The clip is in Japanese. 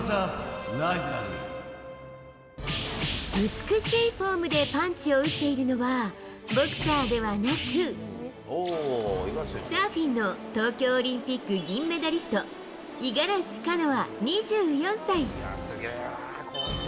美しいフォームでパンチを打っているのは、ボクサーではなく、サーフィンの東京オリンピック銀メダリスト、五十嵐カノア２４歳。